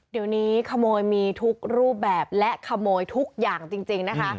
เดี๋ยวนี้ขโมยมีทุกรูปแบบและขโมยทุกอย่างจริงนะคะ